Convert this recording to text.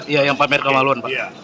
iya yang pak merkawalon